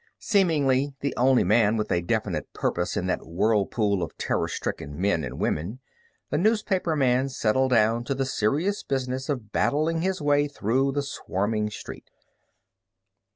Seemingly the only man with a definite purpose in that whirlpool of terror stricken men and women, the newspaperman settled down to the serious business of battling his way through the swarming street.